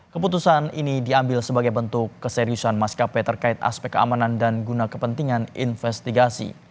keputusan ini diambil sebagai bentuk keseriusan maskapai terkait aspek keamanan dan guna kepentingan investigasi